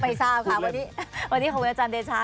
ไม่ทราบค่ะวันนี้ขอบคุณอาจารย์เดชา